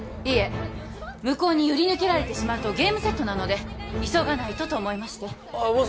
いえ向こうに売り抜けられてしまうとゲームセットなので急がないとと思いましてああ